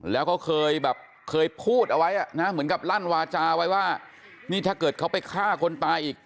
แล้วเขาเคยแบบเคยพูดเอาไว้อ่ะนะเหมือนกับลั่นวาจาไว้ว่านี่ถ้าเกิดเขาไปฆ่าคนตายอีก